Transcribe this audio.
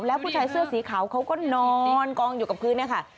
แล้วผู้ชายเสื้อสีขาวเขาก็นอนกองอยู่กับพื้นเนี่ยค่ะ